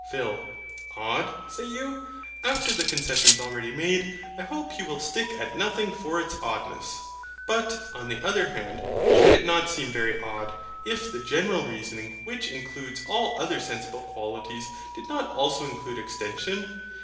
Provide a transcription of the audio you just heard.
PHIL. Odd, say you? After the concessions already made, I hope you will stick at nothing for its oddness. But, on the other hand, should it not seem very odd, if the general reasoning which includes all other sensible qualities did not also include extension?